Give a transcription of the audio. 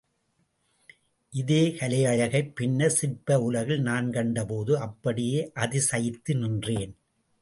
இதே கலையழகைப் பின்னர்ச் சிற்ப உலகில் நான் கண்ட போது அப்படியே அதிசயித்து நின்றேன்.